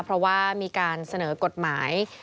เพราะว่ามีการเสนอกฎหมาย